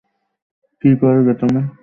কী করবে তুমি?